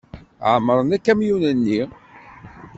Ɛemmren akamyun-nni.